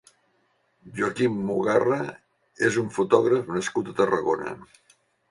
Joachim Mogarra és un fotògraf nascut a Tarragona.